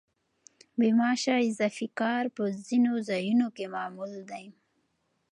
بې معاشه اضافي کار په ځینو ځایونو کې معمول دی.